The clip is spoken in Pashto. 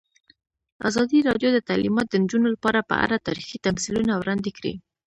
ازادي راډیو د تعلیمات د نجونو لپاره په اړه تاریخي تمثیلونه وړاندې کړي.